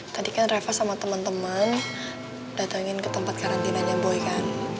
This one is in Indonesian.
tadi kan reva sama temen temen datengin ke tempat karantinanya boy kan